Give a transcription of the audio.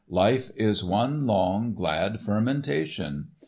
Life is one long, glad fermentation.